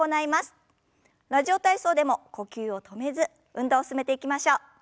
「ラジオ体操」でも呼吸を止めず運動を進めていきましょう。